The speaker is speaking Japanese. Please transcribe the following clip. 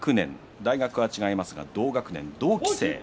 大学は違いますが同期生。